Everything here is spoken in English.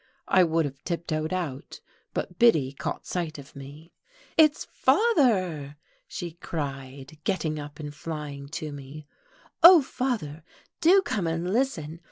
I would have tiptoed out, but Biddy caught sight of me. "It's father!" she cried, getting up and flying to me. "Oh, father, do come and listen!